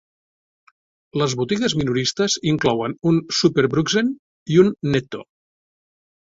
Les botigues minoristes inclouen un SuperBrugsen i un Netto.